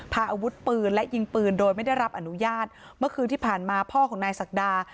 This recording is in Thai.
พาอาวุธปืนและยิงปืนโดยไม่ได้รับอนุญาตเมื่อคืนที่ผ่านมาพ่อของนายศักดา